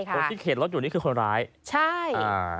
ตรงที่เขตรถอยู่นี่คือคนร้ายอ่าใช่